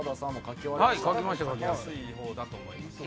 描きやすいほうだと思います。